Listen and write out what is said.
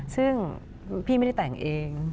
ซึ่งพี่ไม่ได้แต่งเอง